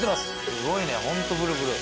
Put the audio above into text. すごいねホントプルプル。